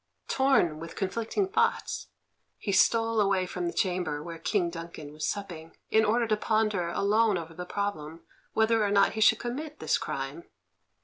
Torn with conflicting thoughts, he stole away from the chamber where King Duncan was supping, in order to ponder alone over the problem whether or not he should commit this crime.